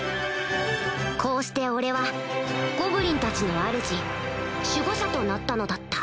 こうして俺はゴブリンたちのあるじ守護者となったのだった